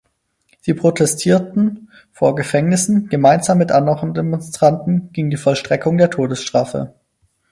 Sie protestieren vor Gefängnissen gemeinsam mit anderen Demonstranten gegen die Vollstreckung der Todesstrafe.